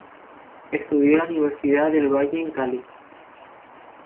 Estudió en la Universidad del Valle en Cali.